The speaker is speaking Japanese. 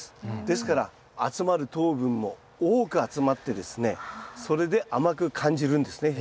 ですから集まる糖分も多く集まってですねそれで甘く感じるんですね